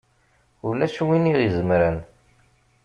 Ulac win i ɣ-izemren!